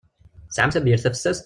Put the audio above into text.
Tesɛam tabyirt tafessast?